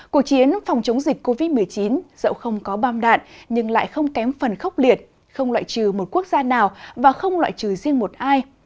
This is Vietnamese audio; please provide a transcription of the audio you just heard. cuộc chiến phòng chống dịch covid một mươi chín dẫu không có bom đạn nhưng lại không kém phần khốc liệt không loại trừ một quốc gia nào và không loại trừ riêng một ai